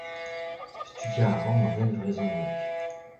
Studiañ a ran an henvrezhoneg.